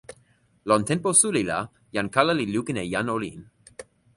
lon tenpo suli la, jan kala li lukin e jan olin.